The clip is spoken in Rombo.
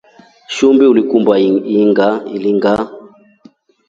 Shumbi ulikumba ilinga ?